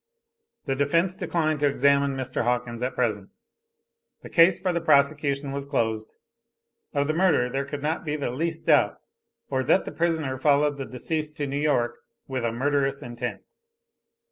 The defence declined to examine Mr. Hawkins at present. The case for the prosecution was closed. Of the murder there could not be the least doubt, or that the prisoner followed the deceased to New York with a murderous intent.